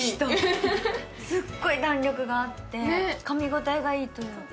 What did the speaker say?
すごい弾力があって、かみ応えがいいっていうか。